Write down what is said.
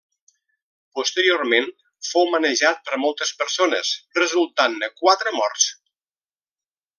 Posteriorment fou manejat per moltes persones, resultant-ne quatre morts.